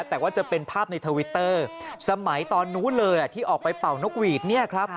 แต่ว่าจะเป็นภาพในทวิตเตอร์สมัยตอนนู้นเลยที่ออกไปเป่านกหวีดเนี่ยครับ